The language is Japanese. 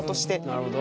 なるほど。